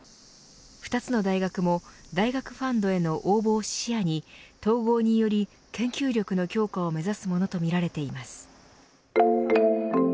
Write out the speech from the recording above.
２つの大学も大学ファンドへの応募を視野に統合により、研究力の強化を目指すものとみられています